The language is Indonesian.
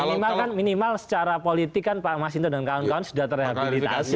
minimal kan minimal secara politik kan pak mas hinton dan kawan kawan sudah terhabilitasi